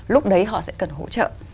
lúc đấy họ sẽ cần hỗ trợ